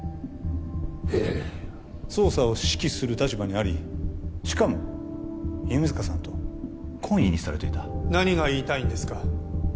ええ捜査を指揮する立場にありしかも弓塚さんと懇意にされていた何が言いたいんですか？